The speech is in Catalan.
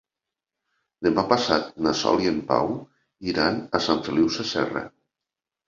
Demà passat na Sol i en Pau iran a Sant Feliu Sasserra.